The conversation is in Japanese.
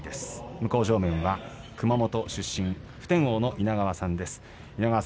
向正面は熊本出身普天王の稲川さんです。